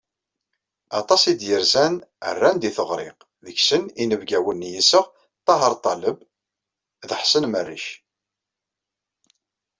Aṭas i d-yerzan, rran-d i teɣṛi, deg-sen inebgawen n yiseɣ, Taheṛ Ṭaleb d Ḥsen Merric.